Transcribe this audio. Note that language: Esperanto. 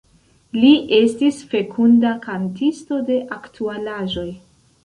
Li estis fekunda kantisto de aktualaĵoj.